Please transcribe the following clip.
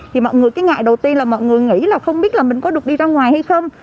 thì mọi người cái ngại đầu tiên là mọi người nghĩ là không biết là mình có được đi ra ngoài hay không